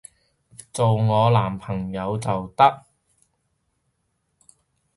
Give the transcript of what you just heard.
做我男朋友就得